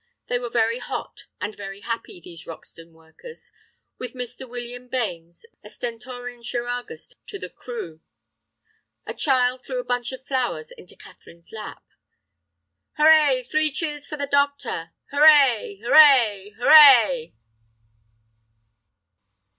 They were very hot and very happy, these Roxton workers, with Mr. William Bains, a stentorian choragus to the crew. A child threw a bunch of flowers into Catherine's lap. "Hooray! three cheers for the doctor!" "Hooray! hooray! hooray!"